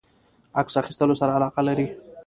عکس اخیستلو سره علاقه لری؟